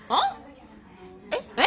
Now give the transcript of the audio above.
えっ？